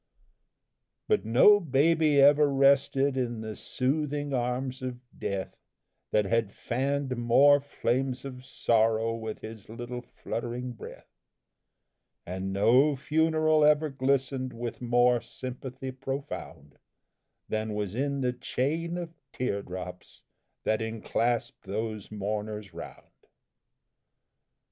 But no baby ever rested in the soothing arms of death That had fanned more flames of sorrow with his little fluttering breath; And no funeral ever glistened with more sympathy profound Than was in the chain of teardrops that enclasped those mourners round.